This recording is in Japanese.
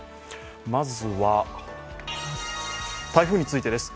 まずは、台風についてです。